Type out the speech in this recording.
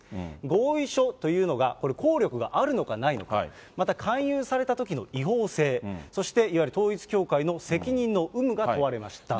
合意書というのが、これ、効力があるのかないのか、また勧誘されたときの違法性、そしていわゆる統一教会の責任の有無が問われました。